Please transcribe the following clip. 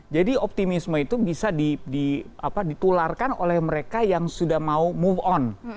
jadi optimisme itu bisa ditularkan oleh mereka yang sudah mau move on